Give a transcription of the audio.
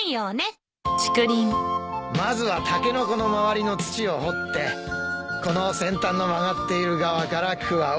まずはタケノコの周りの土を掘ってこの先端の曲がっている側からくわを入れる。